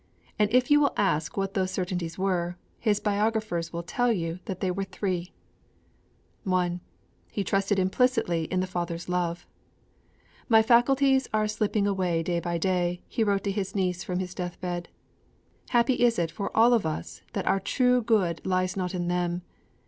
And if you will ask what those certainties were, his biographers will tell you that they were three. 1. He trusted implicitly in the Father's love. 'My faculties are slipping away day by day,' he wrote to his niece from his deathbed. 'Happy is it for all of us that our true good lies not in them.